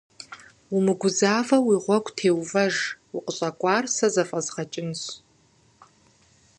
Умыгузэвэу уи гъуэгу теувэж, укъыщӏэкӏуар сэ зэфӏэзгъэкӏынщ.